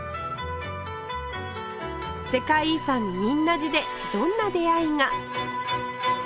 世界遺産仁和寺でどんな出会いが？